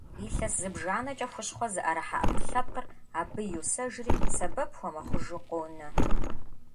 Илъэс зыбжанэкӀэ хущхъуэ зыӀэрыхьа Ӏэпкълъэпкъыр абы йосэжри, сэбэп хуэмыхъужу къонэ.